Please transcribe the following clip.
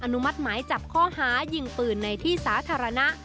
นุมัติหมายจับข้อหายิงปืนในที่สาธารณะ